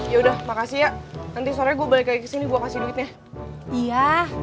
ya udah makasih ya nanti sorenya gue balik lagi kesini gue kasih duitnya iya